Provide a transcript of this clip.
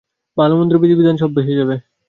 ভালো-মন্দর বিধিবিধান সব ভেসে যাবে, সব ভেসে যাবে।